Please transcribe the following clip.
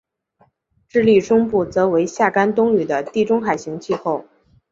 智利中部则为夏干冬雨的地中海型气候。